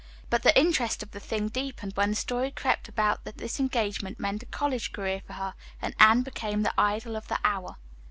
But the interest of the thing deepened when the story crept about that this engagement meant a college career for her, and Anne became the idol of the hour.